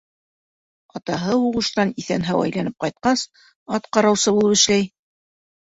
Атаһы һуғыштан иҫән-һау әйләнеп ҡайтҡас, ат ҡараусы булып эшләй.